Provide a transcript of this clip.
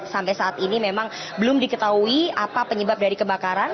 sampai saat ini memang belum diketahui apa penyebab dari kebakaran